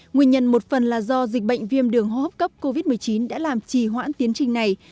nguyên nhân một phần là do dịch bệnh viêm đường hô hấp cấp covid một mươi chín đã làm trì hoãn tiến trình này